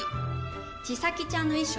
千未来ちゃんの衣装